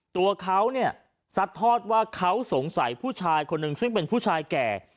ตัวเขาเนี่ยซัดทอดว่าเขาสงสัยผู้ชายคนหนึ่งซึ่งเป็นผู้ชายแก่